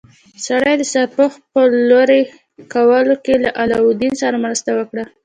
سړي د سرپوښ په لرې کولو کې له علاوالدین سره مرسته وکړه.